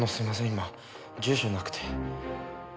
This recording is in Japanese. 今住所なくて。